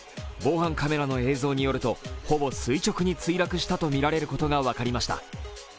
防犯カメラの映像によると、ほぼ垂直に墜落したとみられることが分かりました。